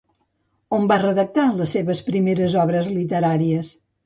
On va redactar les seves primeres obres literàries?